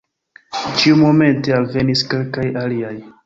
Ĉiumomente alvenis kelkaj aliaj.